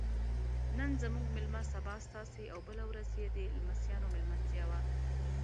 نن زموږ میلمه سبا ستاسې او بله ورځ یې د لمسیانو میلمستیا وه.